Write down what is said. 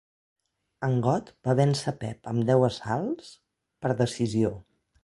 Angott va vèncer Pep amb deu assalts, per decisió.